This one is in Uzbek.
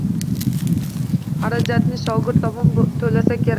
Xarajatni shogird tomon toʻlasa kerak.